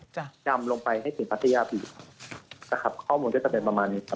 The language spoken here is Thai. จะดำลงไปให้ถึงพัทยาบีครับนะครับข้อมูลก็จะเป็นประมาณนี้ครับ